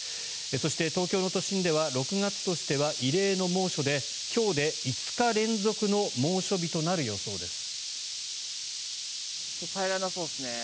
そして東京の都心では６月としては異例の猛暑で今日で５日連続の猛暑日となる予想です。